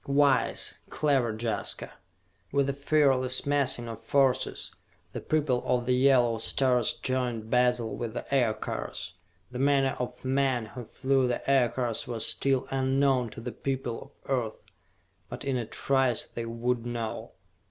Wise, clever Jaska!" With a fearless massing of forces, the people of the yellow stars joined battle with the Aircars! The manner of men who flew the Aircars was still unknown to the people of Earth. But in a trice they would know.